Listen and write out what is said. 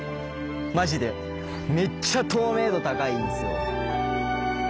マジでめっちゃ透明度高いんですよ。